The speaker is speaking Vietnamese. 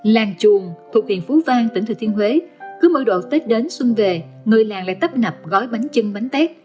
làng chuồng thuộc huyện phú vang tỉnh thừa thiên huế cứ mỗi độ tết đến xuân về người làng lại tấp nập gói bánh trưng bánh tét